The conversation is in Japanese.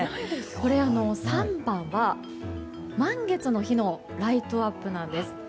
これ、３番は満月の日のライトアップなんです。